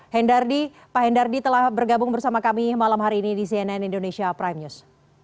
hendardi pak hendardi telah bergabung bersama kami malam hari ini di cnn indonesia prime news